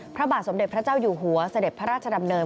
พระบาทสมเด็จพระเจ้าอยู่หัวเสด็จพระราชดำเนิน